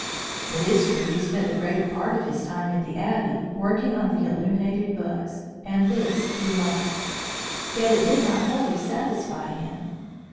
It is true he spent the greater part of his time in the Abbey working on the illuminated books, and this he loved; yet it did not wholly satisfy him.